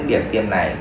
điểm tiêm này